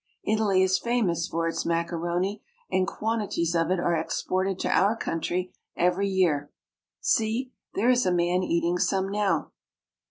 Italy is famous for its macaroni, and quantities of it are exported to our country every year. See, there is a man eating some now